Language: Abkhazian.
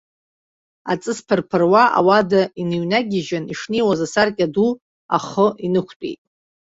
Аҵыс ԥырԥыруа, ауада иныҩнагьежьын, ишнеиуаз асаркьа ду ахы инықәтәеит.